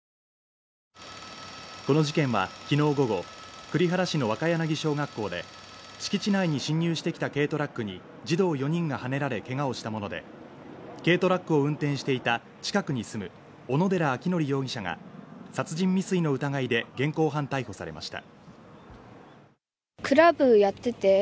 この事件は、きのう午後栗原市の若柳小学校で、敷地内に侵入してきた軽トラックに児童４人がはねられ、けがをしたもので、軽トラックを運転していた近くに住む小野寺章仁容疑者が殺人未遂の疑いで現行犯逮捕されました。